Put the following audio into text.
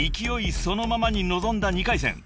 そのままに臨んだ２回戦］